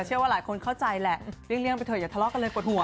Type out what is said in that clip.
เชื่อว่าหลายคนเข้าใจแหละเลี่ยงไปเถอย่าทะเลาะกันเลยปวดหัว